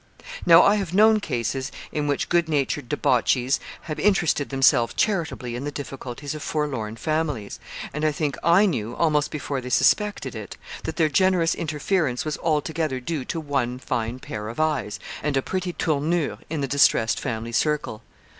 Now, I have known cases in which good natured debauchees have interested themselves charitably in the difficulties of forlorn families; and I think I knew, almost before they suspected it, that their generous interference was altogether due to one fine pair of eyes, and a pretty tournure, in the distressed family circle.